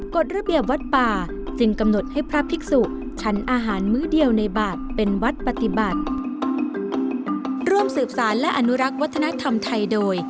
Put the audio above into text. กฎระเบียบวัดป่าจึงกำหนดให้พระภิกษุชั้นอาหารมือเดียวในบาทเป็นวัดปฏิบัติ